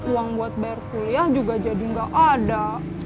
uang buat bayar kuliah juga jadi nggak ada